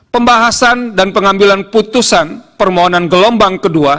pembahasan dan pengambilan putusan permohonan gelombang kedua